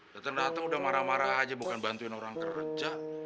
datang datang udah marah marah aja bukan bantuin orang kerja